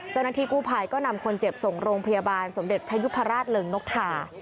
เจ้าหน้าที่กู้ภัยก็นำคนเจ็บส่งโรงพยาบาลสมเด็จพระยุพราชเริงนกทา